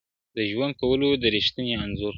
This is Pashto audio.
د ژوند كولو د ريښتني انځور~